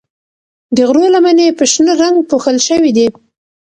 د غرو لمنې په شنه رنګ پوښل شوي دي.